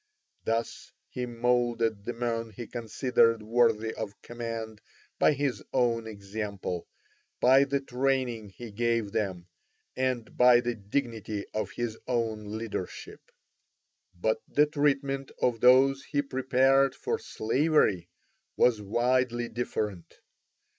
Thus he moulded the men he considered worthy of command by his own example, by the training he gave them, and by the dignity of his own leadership. But the treatment of those he prepared for slavery was widely different.